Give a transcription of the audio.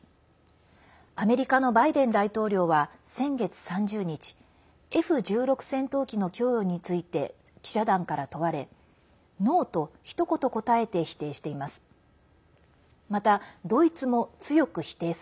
アメリカのバイデン大統領は先月３０日Ｆ１６戦闘機の供与について記者団から問われノーと、ひと言答えて否定しています。